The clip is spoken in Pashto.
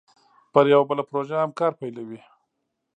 پر یوه بله پروژه هم کار پیلوي